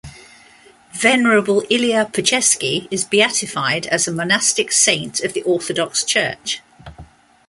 Venerable Ilya Pechersky is beatified as a monastic saint of the Orthodox Church.